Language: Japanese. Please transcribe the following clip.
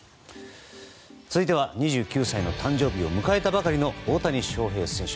続いては２９歳の誕生日を迎えたばかりの大谷翔平選手。